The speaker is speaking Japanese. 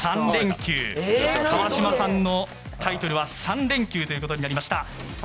川島さんのタイトルは３連休ということになりました。